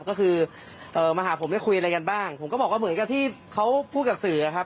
ก็คือมาหาผมได้คุยอะไรกันบ้างผมก็บอกว่าเหมือนกับที่เขาพูดกับสื่ออะครับ